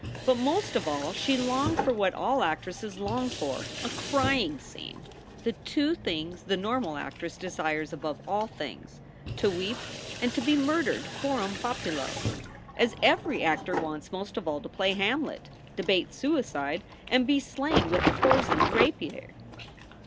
But most of all she longed for what all actresses long for a crying scene. Two things the normal actress desires above all things: to weep and to be murdered cor am populo as every actor wants most of all to play Hamlet, debate suicide, and be slain with a poisoned rapier.